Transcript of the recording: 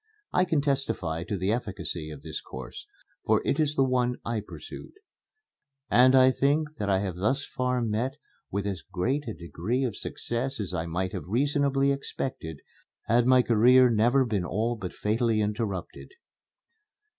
I can testify to the efficacy of this course, for it is the one I pursued. And I think that I have thus far met with as great a degree of success as I might have reasonably expected had my career never been all but fatally interrupted.